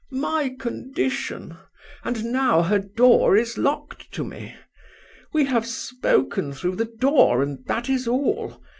"My condition! And now her door is locked to me! We have spoken through the door, and that is all.